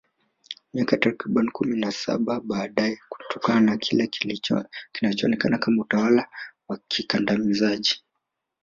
Miaka takriban kumi na Saba baadaye kutokana na kile kilichoonekana kama utawala wa kikandamizaji